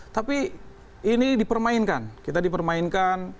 tapi ini dipermainkan kita dipermainkan